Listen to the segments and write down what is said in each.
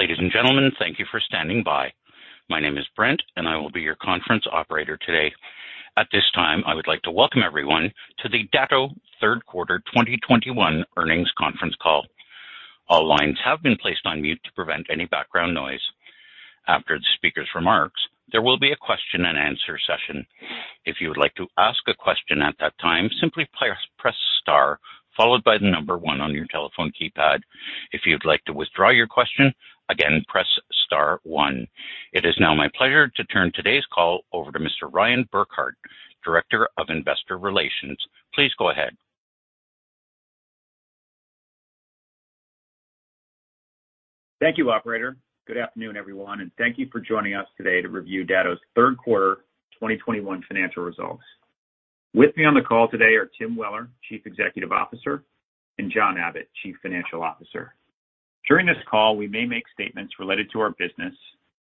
Ladies and gentlemen, thank you for standing by. My name is Brent, and I will be your conference operator today. At this time, I would like to welcome everyone to the Datto third quarter 2021 earnings conference call. All lines have been placed on mute to prevent any background noise. After the speaker's remarks, there will be a question and answer session. If you would like to ask a question at that time, simply press Star, followed by the number one on your telephone keypad. If you'd like to withdraw your question, again, press Star one. It is now my pleasure to turn today's call over to Mr. Ryan Burkart, Director of Investor Relations. Please go ahead. Thank you, operator. Good afternoon, everyone, and thank you for joining us today to review Datto's third quarter 2021 financial results. With me on the call today are Tim Weller, Chief Executive Officer, and John Abbot, Chief Financial Officer. During this call, we may make statements related to our business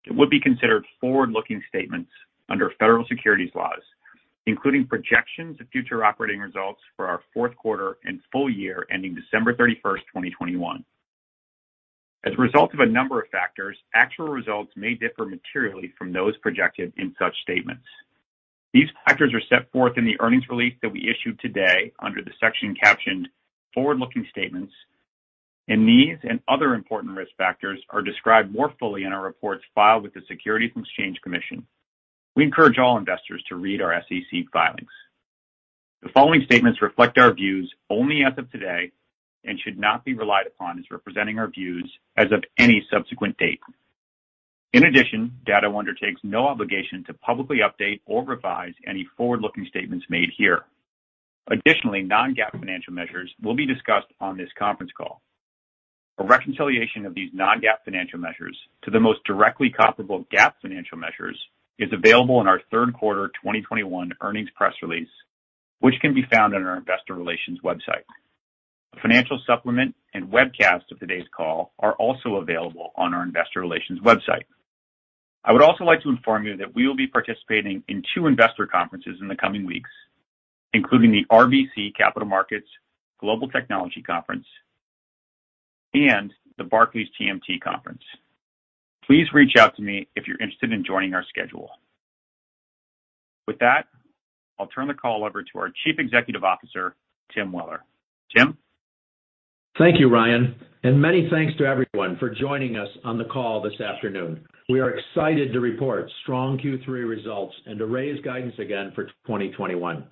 that would be considered forward-looking statements under federal securities laws, including projections of future operating results for our fourth quarter and full year ending December 31, 2021. As a result of a number of factors, actual results may differ materially from those projected in such statements. These factors are set forth in the earnings release that we issued today under the section captioned "Forward-Looking Statements," and these and other important risk factors are described more fully in our reports filed with the Securities and Exchange Commission. We encourage all investors to read our SEC filings. The following statements reflect our views only as of today and should not be relied upon as representing our views as of any subsequent date. In addition, Datto undertakes no obligation to publicly update or revise any forward-looking statements made here. Additionally, non-GAAP financial measures will be discussed on this conference call. A reconciliation of these non-GAAP financial measures to the most directly comparable GAAP financial measures is available in our third quarter 2021 earnings press release, which can be found on our investor relations website. A financial supplement and webcast of today's call are also available on our investor relations website. I would also like to inform you that we will be participating in two investor conferences in the coming weeks, including the RBC Capital Markets Global Technology Conference and the Barclays TMT Conference. Please reach out to me if you're interested in joining our schedule. With that, I'll turn the call over to our Chief Executive Officer, Tim Weller. Tim? Thank you, Ryan, and many thanks to everyone for joining us on the call this afternoon. We are excited to report strong Q3 results and to raise guidance again for 2021.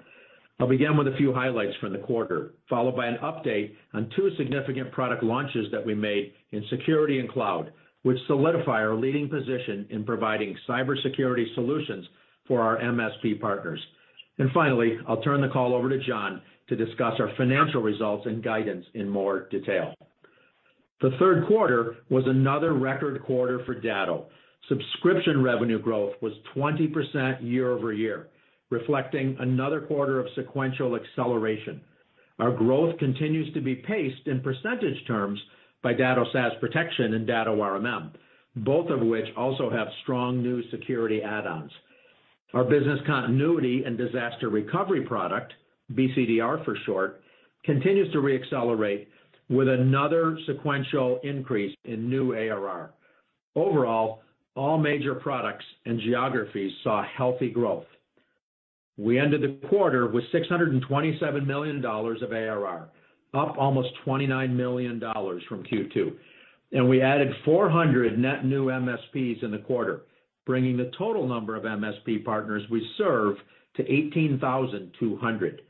I'll begin with a few highlights from the quarter, followed by an update on two significant product launches that we made in security and cloud, which solidify our leading position in providing cybersecurity solutions for our MSP partners. Finally, I'll turn the call over to John Abbot to discuss our financial results and guidance in more detail. The third quarter was another record quarter for Datto. Subscription revenue growth was 20% year-over-year, reflecting another quarter of sequential acceleration. Our growth continues to be paced in percentage terms by Datto SaaS Protection and Datto RMM, both of which also have strong new security add-ons. Our business continuity and disaster recovery product, BCDR for short, continues to re-accelerate with another sequential increase in new ARR. Overall, all major products and geographies saw healthy growth. We ended the quarter with $627 million of ARR, up almost $29 million from Q2, and we added 400 net new MSPs in the quarter, bringing the total number of MSP partners we serve to 18,200.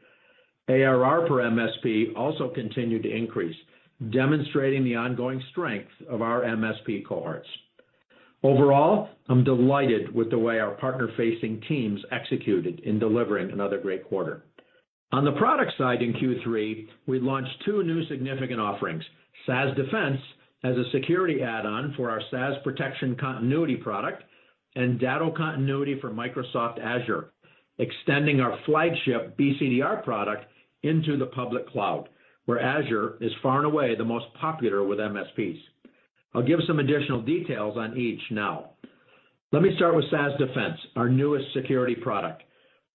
ARR per MSP also continued to increase, demonstrating the ongoing strength of our MSP cohorts. Overall, I'm delighted with the way our partner-facing teams executed in delivering another great quarter. On the product side in Q3, we launched two new significant offerings, SaaS Defense as a security add-on for our SaaS Protection Continuity product, and Datto Continuity for Microsoft Azure, extending our flagship BCDR product into the public cloud, where Azure is far and away the most popular with MSPs. I'll give some additional details on each now. Let me start with SaaS Defense, our newest security product.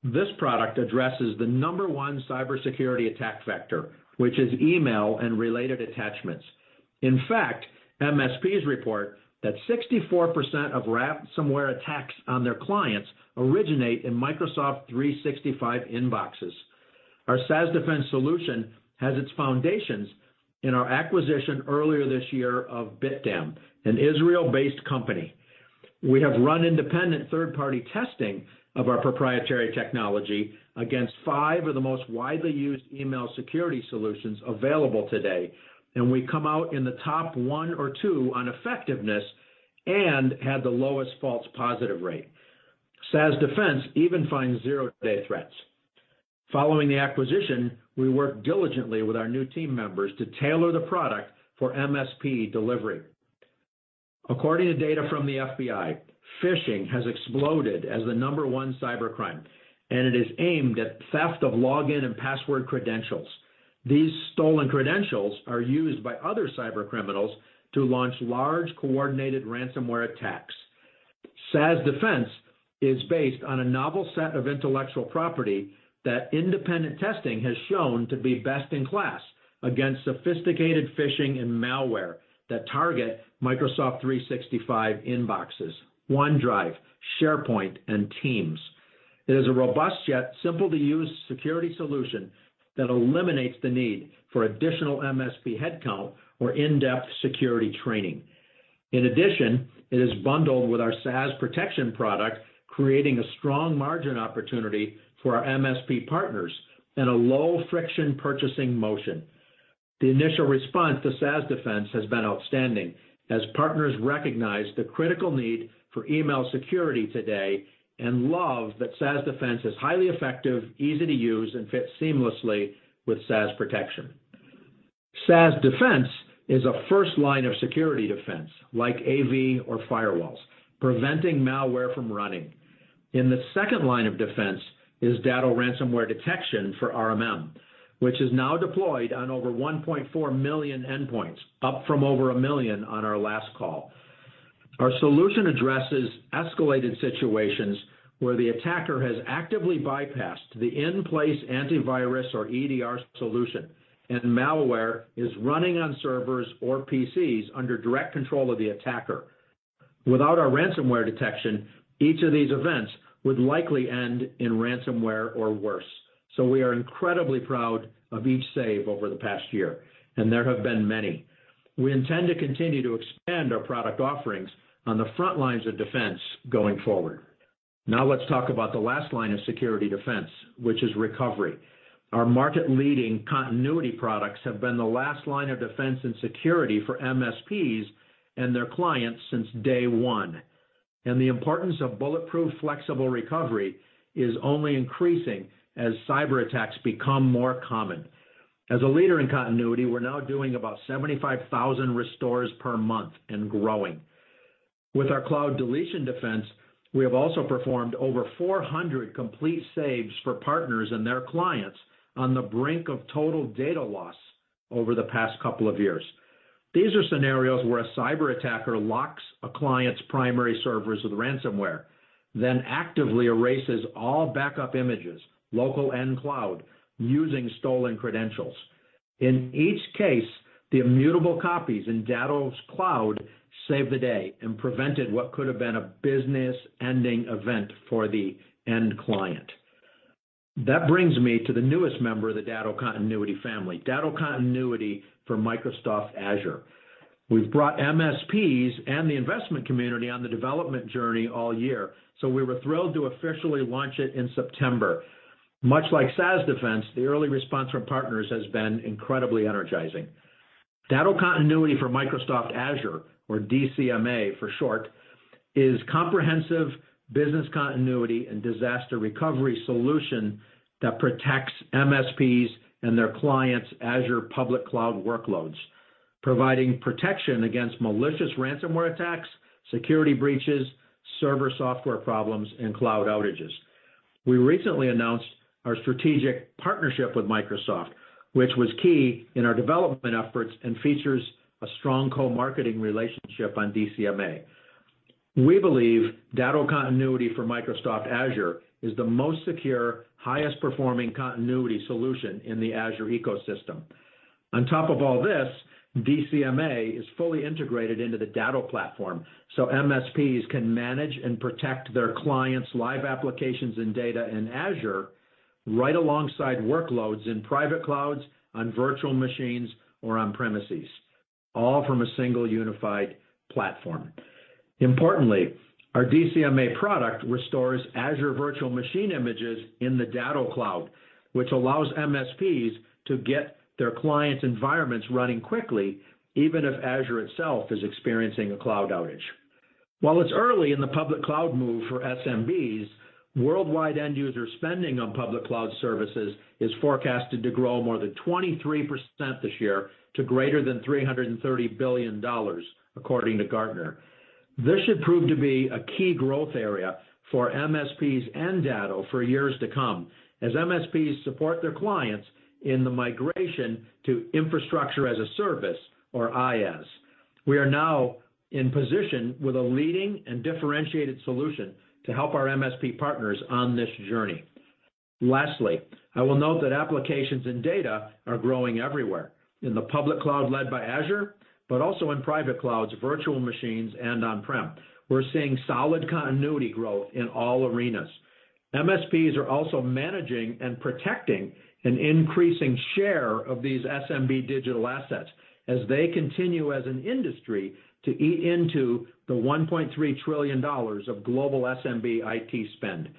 This product addresses the number one cybersecurity attack vector, which is email and related attachments. In fact, MSPs report that 64% of ransomware attacks on their clients originate in Microsoft 365 inboxes. Our SaaS Defense solution has its foundations in our acquisition earlier this year of BitDam, an Israel-based company. We have run independent third-party testing of our proprietary technology against five of the most widely used email security solutions available today, and we come out in the top one or two on effectiveness and had the lowest false positive rate. SaaS Defense even finds zero-day threats. Following the acquisition, we worked diligently with our new team members to tailor the product for MSP delivery. According to data from the FBI, phishing has exploded as the number one cybercrime, and it is aimed at theft of login and password credentials. These stolen credentials are used by other cybercriminals to launch large coordinated ransomware attacks. SaaS Defense is based on a novel set of intellectual property that independent testing has shown to be best in class against sophisticated phishing and malware that target Microsoft 365 inboxes, OneDrive, SharePoint, and Teams. It is a robust yet simple to use security solution that eliminates the need for additional MSP headcount or in-depth security training. In addition, it is bundled with our SaaS Protection product, creating a strong margin opportunity for our MSP partners and a low friction purchasing motion. The initial response to SaaS Defense has been outstanding as partners recognize the critical need for email security today, and love that SaaS Defense is highly effective, easy to use, and fits seamlessly with SaaS Protection. SaaS Defense is a first line of security defense, like AV or firewalls, preventing malware from running. In the second line of defense is Datto Ransomware Detection for RMM, which is now deployed on over 1.4 million endpoints, up from over 1 million on our last call. Our solution addresses escalated situations where the attacker has actively bypassed the in-place antivirus or EDR solution, and malware is running on servers or PCs under direct control of the attacker. Without our ransomware detection, each of these events would likely end in ransomware or worse. We are incredibly proud of each save over the past year, and there have been many. We intend to continue to expand our product offerings on the front lines of defense going forward. Now let's talk about the last line of security defense, which is recovery. Our market-leading continuity products have been the last line of defense and security for MSPs and their clients since day one. The importance of bulletproof flexible recovery is only increasing as cyberattacks become more common. As a leader in continuity, we're now doing about 75,000 restores per month and growing. With our Cloud Deletion Defense, we have also performed over 400 complete saves for partners and their clients on the brink of total data loss over the past couple of years. These are scenarios where a cyber attacker locks a client's primary servers with ransomware, then actively erases all backup images, local and cloud, using stolen credentials. In each case, the immutable copies in Datto's cloud saved the day and prevented what could have been a business-ending event for the end client. That brings me to the newest member of the Datto Continuity family, Datto Continuity for Microsoft Azure. We've brought MSPs and the investment community on the development journey all year, so we were thrilled to officially launch it in September. Much like Datto SaaS Defense, the early response from partners has been incredibly energizing. Datto Continuity for Microsoft Azure, or DCMA for short, is a comprehensive business continuity and disaster recovery solution that protects MSPs and their clients' Azure public cloud workloads, providing protection against malicious ransomware attacks, security breaches, server software problems, and cloud outages. We recently announced our strategic partnership with Microsoft, which was key in our development efforts and features a strong co-marketing relationship on DCMA. We believe Datto Continuity for Microsoft Azure is the most secure, highest performing continuity solution in the Azure ecosystem. On top of all this, DCMA is fully integrated into the Datto platform, so MSPs can manage and protect their clients' live applications and data in Azure right alongside workloads in private clouds, on virtual machines, or on premises, all from a single unified platform. Importantly, our DCMA product restores Azure virtual machine images in the Datto cloud, which allows MSPs to get their clients' environments running quickly, even if Azure itself is experiencing a cloud outage. While it's early in the public cloud move for SMBs, worldwide end user spending on public cloud services is forecasted to grow more than 23% this year to greater than $330 billion, according to Gartner. This should prove to be a key growth area for MSPs and Datto for years to come, as MSPs support their clients in the migration to infrastructure as a service, or IaaS. We are now in position with a leading and differentiated solution to help our MSP partners on this journey. Lastly, I will note that applications and data are growing everywhere. In the public cloud led by Azure, but also in private clouds, virtual machines, and on-prem. We're seeing solid continuity growth in all arenas. MSPs are also managing and protecting an increasing share of these SMB digital assets as they continue as an industry to eat into the $1.3 trillion of global SMB IT spend.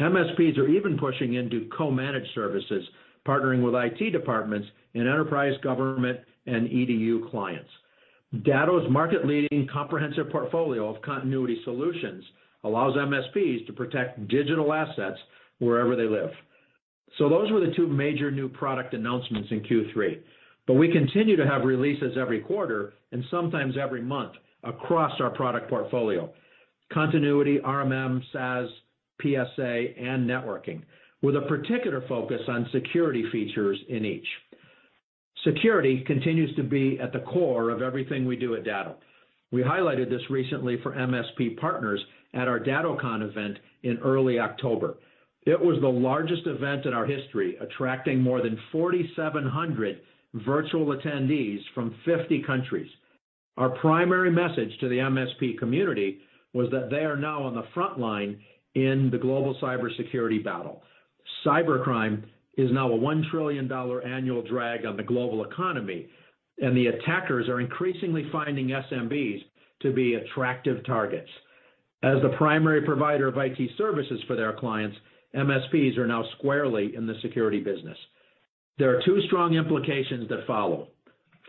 MSPs are even pushing into co-managed services, partnering with IT departments and enterprise government and EDU clients. Datto's market-leading comprehensive portfolio of continuity solutions allows MSPs to protect digital assets wherever they live. Those were the two major new product announcements in Q3. We continue to have releases every quarter and sometimes every month across our product portfolio. Continuity, RMM, SaaS, PSA, and networking, with a particular focus on security features in each. Security continues to be at the core of everything we do at Datto. We highlighted this recently for MSP partners at our DattoCon event in early October. It was the largest event in our history, attracting more than 4,700 virtual attendees from 50 countries. Our primary message to the MSP community was that they are now on the front line in the global cybersecurity battle. Cybercrime is now a $1 trillion annual drag on the global economy, and the attackers are increasingly finding SMBs to be attractive targets. As the primary provider of IT services for their clients, MSPs are now squarely in the security business. There are two strong implications that follow.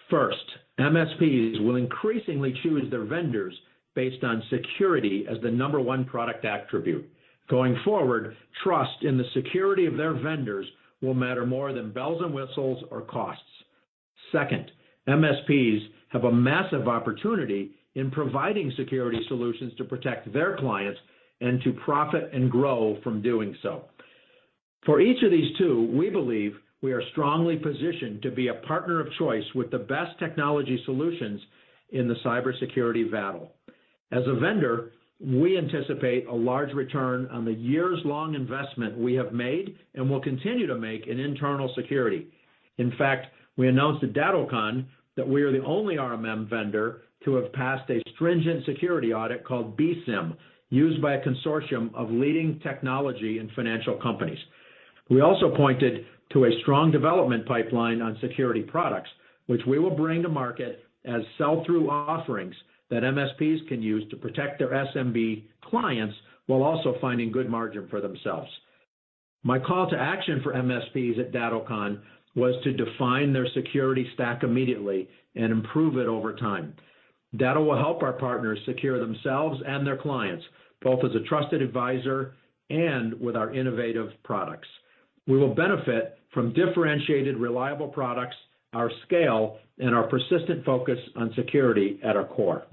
First, MSPs will increasingly choose their vendors based on security as the number one product attribute. Going forward, trust in the security of their vendors will matter more than bells and whistles or costs. Second, MSPs have a massive opportunity in providing security solutions to protect their clients and to profit and grow from doing so. For each of these two, we believe we are strongly positioned to be a partner of choice with the best technology solutions in the cybersecurity battle. As a vendor, we anticipate a large return on the years' long investment we have made and will continue to make in internal security. In fact, we announced at DattoCon that we are the only RMM vendor to have passed a stringent security audit called BSIMM, used by a consortium of leading technology and financial companies. We also pointed to a strong development pipeline on security products, which we will bring to market as sell-through offerings that MSPs can use to protect their SMB clients while also finding good margin for themselves. My call to action for MSPs at DattoCon was to define their security stack immediately and improve it over time. Datto will help our partners secure themselves and their clients, both as a trusted advisor and with our innovative products. We will benefit from differentiated, reliable products, our scale, and our persistent focus on security at our core.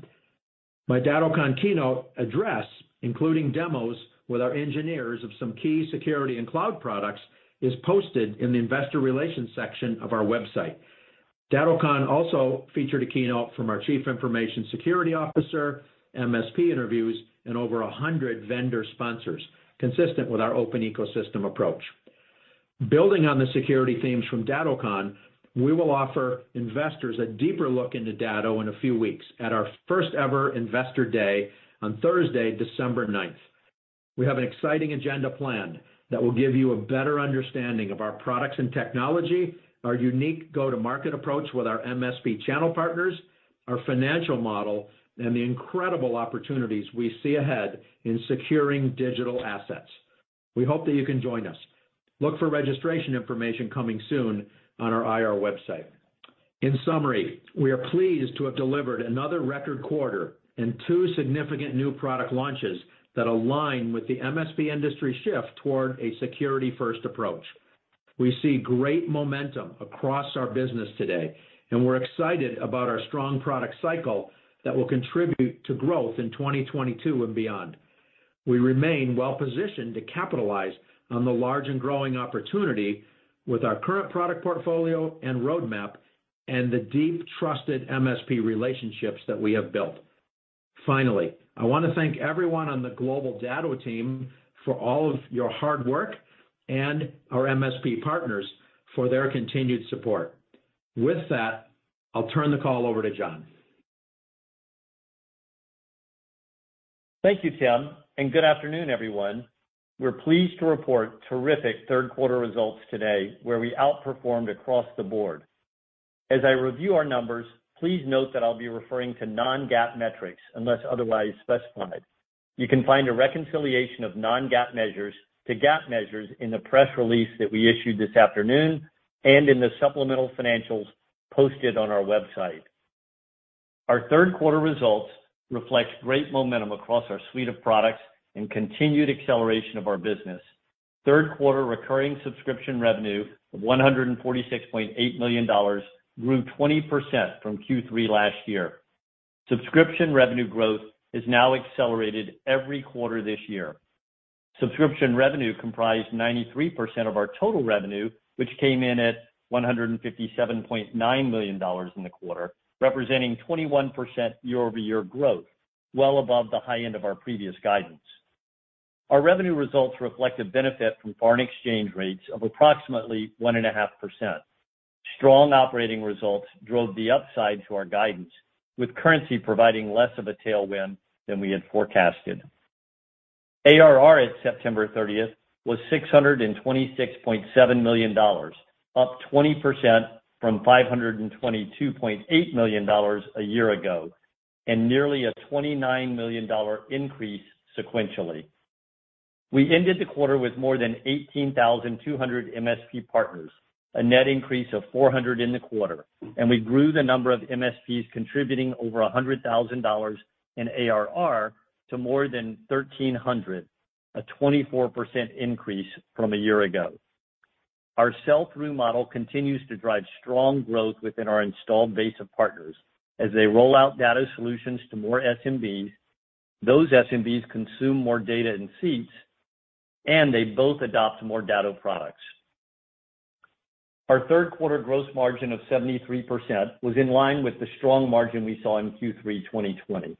My DattoCon keynote address, including demos with our engineers of some key security and cloud products, is posted in the investor relations section of our website. DattoCon also featured a keynote from our chief information security officer, MSP interviews, and over a hundred vendor sponsors, consistent with our open ecosystem approach. Building on the security themes from DattoCon, we will offer investors a deeper look into Datto in a few weeks at our first ever investor day on Thursday, December ninth. We have an exciting agenda planned that will give you a better understanding of our products and technology, our unique go-to-market approach with our MSP channel partners, our financial model, and the incredible opportunities we see ahead in securing digital assets. We hope that you can join us. Look for registration information coming soon on our IR website. In summary, we are pleased to have delivered another record quarter and two significant new product launches that align with the MSP industry shift toward a security first approach. We see great momentum across our business today, and we're excited about our strong product cycle that will contribute to growth in 2022 and beyond. We remain well positioned to capitalize on the large and growing opportunity with our current product portfolio and roadmap and the deep trusted MSP relationships that we have built. Finally, I want to thank everyone on the global Datto team for all of your hard work and our MSP partners for their continued support. With that, I'll turn the call over to John. Thank you, Tim, and good afternoon, everyone. We're pleased to report terrific third quarter results today where we outperformed across the board. As I review our numbers, please note that I'll be referring to non-GAAP metrics unless otherwise specified. You can find a reconciliation of non-GAAP measures to GAAP measures in the press release that we issued this afternoon and in the supplemental financials posted on our website. Our third quarter results reflect great momentum across our suite of products and continued acceleration of our business. Third quarter recurring subscription revenue of $146.8 million grew 20% from Q3 last year. Subscription revenue growth has now accelerated every quarter this year. Subscription revenue comprised 93% of our total revenue, which came in at $157.9 million in the quarter, representing 21% year-over-year growth, well above the high end of our previous guidance. Our revenue results reflect a benefit from foreign exchange rates of approximately 1.5%. Strong operating results drove the upside to our guidance, with currency providing less of a tailwind than we had forecasted. ARR at September 30 was $626.7 million, up 20% from $522.8 million a year ago, and nearly a $29 million increase sequentially. We ended the quarter with more than 18,200 MSP partners, a net increase of 400 in the quarter. We grew the number of MSPs contributing over $100,000 in ARR to more than 1,300, a 24% increase from a year ago. Our sell-through model continues to drive strong growth within our installed base of partners. As they roll out data solutions to more SMBs, those SMBs consume more data and seats. They both adopt more Datto products. Our third quarter gross margin of 73% was in line with the strong margin we saw in Q3 2020.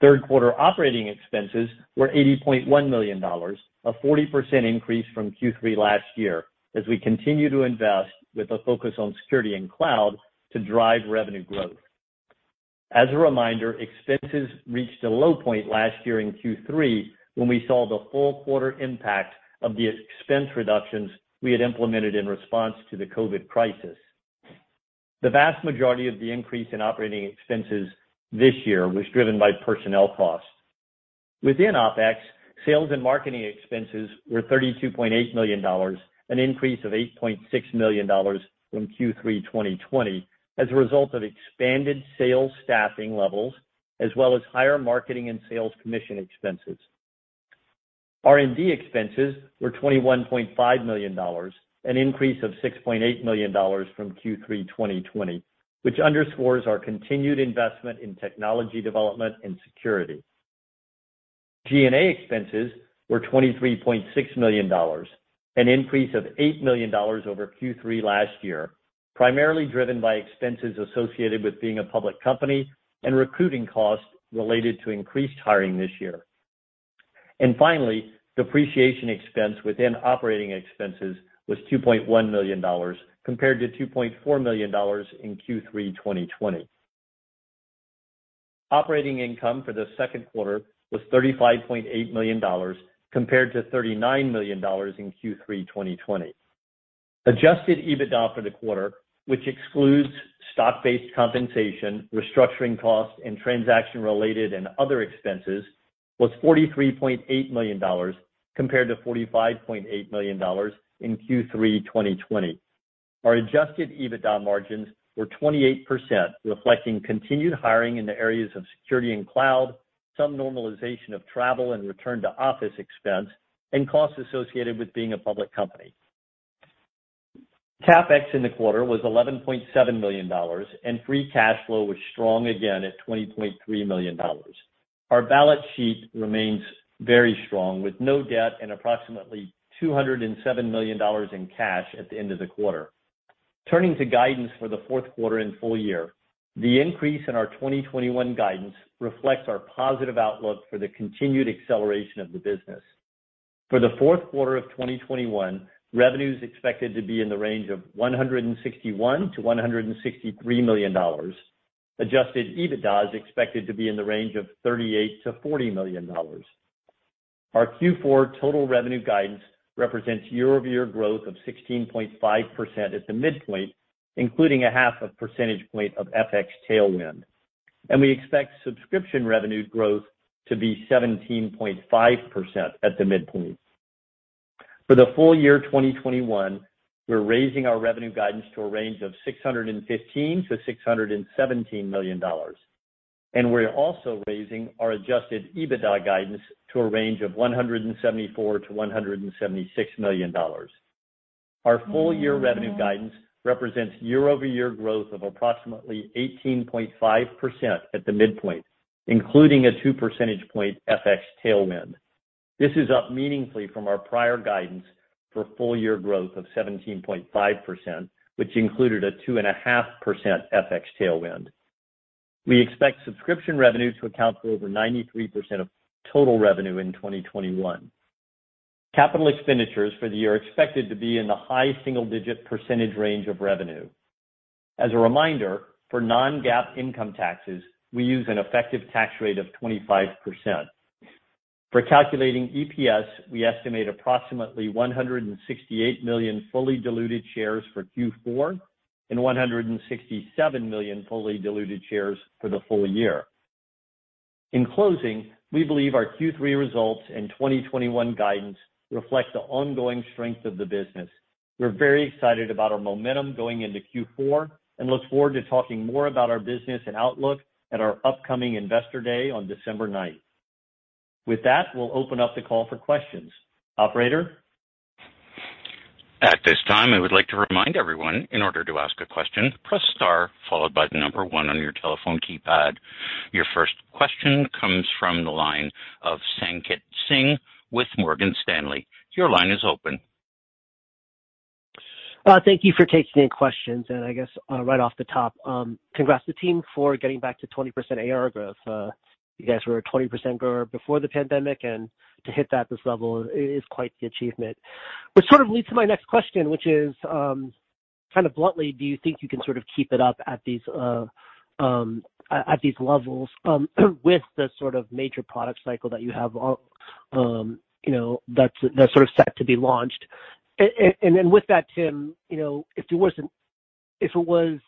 Third quarter operating expenses were $80.1 million, a 40% increase from Q3 last year as we continue to invest with a focus on security and cloud to drive revenue growth. As a reminder, expenses reached a low point last year in Q3 when we saw the full quarter impact of the expense reductions we had implemented in response to the COVID crisis. The vast majority of the increase in operating expenses this year was driven by personnel costs. Within OpEx, sales and marketing expenses were $32.8 million, an increase of $8.6 million from Q3 2020 as a result of expanded sales staffing levels as well as higher marketing and sales commission expenses. R&D expenses were $21.5 million, an increase of $6.8 million from Q3 2020, which underscores our continued investment in technology development and security. G&A expenses were $23.6 million, an increase of $8 million over Q3 last year, primarily driven by expenses associated with being a public company and recruiting costs related to increased hiring this year. Finally, depreciation expense within operating expenses was $2.1 million, compared to $2.4 million in Q3 2020. Operating income for the second quarter was $35.8 million compared to $39 million in Q3 2020. Adjusted EBITDA for the quarter, which excludes stock-based compensation, restructuring costs, and transaction-related and other expenses, was $43.8 million compared to $45.8 million in Q3 2020. Our adjusted EBITDA margins were 28%, reflecting continued hiring in the areas of security and cloud, some normalization of travel and return to office expense and costs associated with being a public company. CapEx in the quarter was $11.7 million, and free cash flow was strong again at $20.3 million. Our balance sheet remains very strong, with no debt and approximately $207 million in cash at the end of the quarter. Turning to guidance for the fourth quarter and full year, the increase in our 2021 guidance reflects our positive outlook for the continued acceleration of the business. For the fourth quarter of 2021, revenue is expected to be in the range of $161 million-$163 million. Adjusted EBITDA is expected to be in the range of $38 million-$40 million. Our Q4 total revenue guidance represents year-over-year growth of 16.5% at the midpoint, including a 0.5 percentage point of FX tailwind. We expect subscription revenue growth to be 17.5% at the midpoint. For the full year 2021, we're raising our revenue guidance to a range of $615 million-$617 million. We're also raising our adjusted EBITDA guidance to a range of $174 million-$176 million. Our full-year revenue guidance represents year-over-year growth of approximately 18.5% at the midpoint, including a two percentage point FX tailwind. This is up meaningfully from our prior guidance for full-year growth of 17.5%, which included a 2.5% FX tailwind. We expect subscription revenue to account for over 93% of total revenue in 2021. Capital expenditures for the year are expected to be in the high single-digit percentage range of revenue. As a reminder, for non-GAAP income taxes, we use an effective tax rate of 25%. For calculating EPS, we estimate approximately 168 million fully diluted shares for Q4, and 167 million fully diluted shares for the full year. In closing, we believe our Q3 results and 2021 guidance reflect the ongoing strength of the business. We're very excited about our momentum going into Q4 and look forward to talking more about our business and outlook at our upcoming Investor Day on December ninth. With that, we'll open up the call for questions. Operator? At this time, I would like to remind everyone, in order to ask a question, press star followed by the number one on your telephone keypad. Your first question comes from the line of Sanjit Singh with Morgan Stanley. Your line is open. Thank you for taking the questions. I guess, right off the top, congrats to the team for getting back to 20% ARR growth. You guys were a 20% grower before the pandemic, and to hit that, this level is quite the achievement. Which sort of leads to my next question, which is, kind of bluntly, do you think you can sort of keep it up at these levels, with the sort of major product cycle that you have, you know, that's sort of set to be launched? With that, Tim, you know, if it was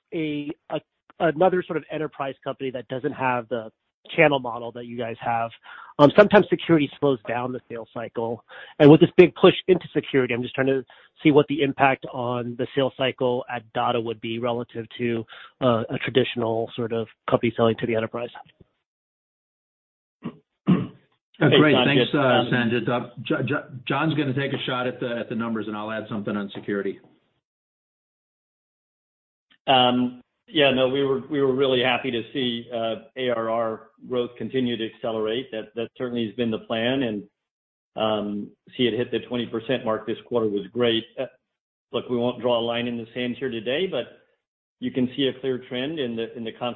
another sort of enterprise company that doesn't have the channel model that you guys have, sometimes security slows down the sales cycle. With this big push into security, I'm just trying to see what the impact on the sales cycle at Datto would be relative to a traditional sort of company selling to the enterprise. That's great. Thanks, Sanjit. John's gonna take a shot at the numbers and I'll add something on security. We were really happy to see ARR growth continue to accelerate. That certainly has been the plan. See it hit the 20% mark this quarter was great. Look, we won't draw a line in the sand here today, but you can see a clear trend in the con-